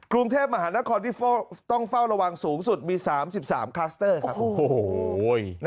กรุงเทพมหานครที่ต้องเฝ้าระวังสูงสุดมี๓๓คลัสเตอร์ครับ